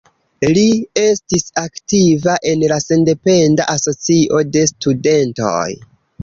Li estis aktiva en la Sendependa Asocio de Studentoj.